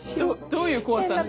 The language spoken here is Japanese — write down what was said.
どういう怖さ？